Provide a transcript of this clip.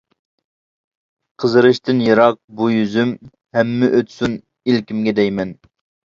قىزىرىشتىن يىراق بۇ يۈزۈم، «ھەممە ئۆتسۇن ئىلكىمگە» دەيمەن.